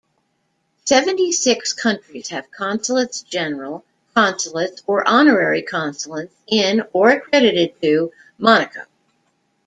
Seventy-six countries have consulates general, consulates, or honorary consulates in or accredited to Monaco.